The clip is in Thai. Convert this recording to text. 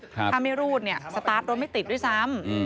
ถ้าไม่รูดเนี่ยสตาร์ทรถไม่ติดด้วยซ้ำ